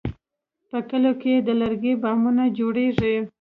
په کلیو کې د لرګي بامونه جوړېږي.